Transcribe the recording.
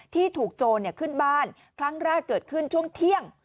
ที่ถูกโจรขึ้นบ้านครั้งแรกเกิดขึ้นช่วงเที่ยง